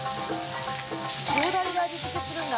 塩ダレで味付けするんだ。